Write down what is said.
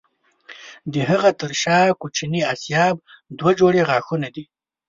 د هغه تر شا کوچني آسیاب دوه جوړې غاښونه دي.